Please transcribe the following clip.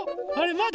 まだ？